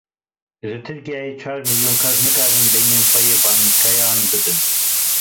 Li Tirkiyeyê çar milyon kes nikarin deynê xwe yê bankayan bidin.